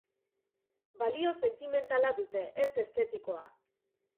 Balio sentimentala dute, ez estetikoa.